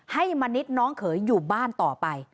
มณิษฐ์น้องเขยอยู่บ้านต่อไป